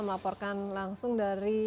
melaporkan langsung dari